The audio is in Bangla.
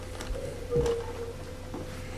বিনোদিনী কহিল, সে রসিক লোকটি কে।